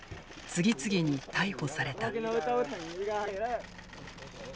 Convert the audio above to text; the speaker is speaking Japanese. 次々に逮捕された。